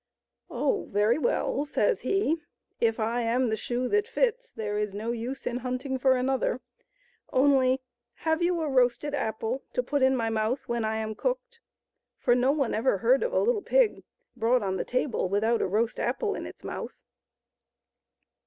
" Oh, very well," says he ;" if I am the shoe that fits there is no use in hunting for another ; only, have you a roasted apple to put in my mouth when I am cooked? for no one ever heard of a little pig brought on the table without a roast apple in its mouth."